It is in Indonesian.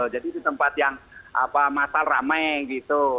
jadi di tempat yang masal ramai gitu